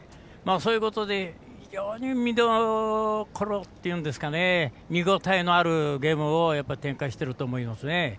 そういうことで非常に見どころといいますか見応えのあるゲームを展開していると思いますね。